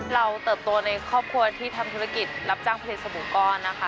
เติบโตในครอบครัวที่ทำธุรกิจรับจ้างเพลสบู่ก้อนนะคะ